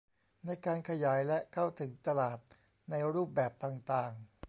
ในการขยายและเข้าถึงตลาดในรูปแบบต่างต่าง